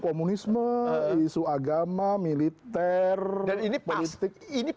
komunisme isu agama militer dan ini politik